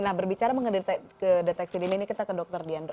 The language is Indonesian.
nah berbicara mengenai deteksi ini kita ke dokter dian